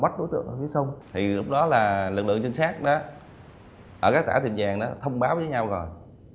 thì lúc đó là lực lượng tinh sát đó ở các tả tiệm vàng đó thông báo với nhau rồi